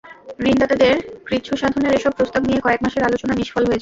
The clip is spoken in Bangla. ঋণদাতাদের কৃচ্ছ্রসাধনের এসব প্রস্তাব নিয়ে কয়েক মাসের আলোচনা নিষ্ফল হয়ে যায়।